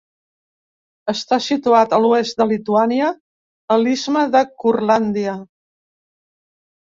Està situat a l'oest de Lituània, a l'istme de Curlàndia.